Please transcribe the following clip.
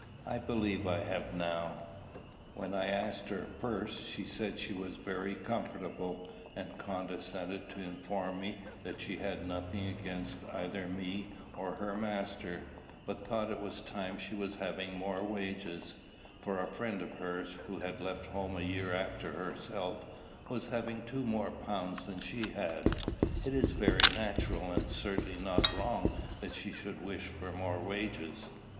"I believe I have now. When I asked her first, she said she was very comfortable, and condescended to inform me that she had nothing against either me or her master, but thought it was time she was having more wages; for a friend of hers, who had left home a year after herself, was having two more pounds than she had." "It is very natural, and certainly not wrong, that she should wish for more wages."